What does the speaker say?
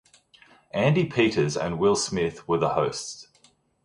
Andi Peters and Will Smith were the hosts.